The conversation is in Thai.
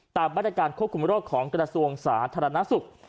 ตามมาตรการควบคุมโรคของกระทรวงสาธารณสุข